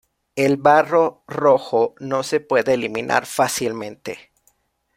El barro rojo no se puede eliminar fácilmente.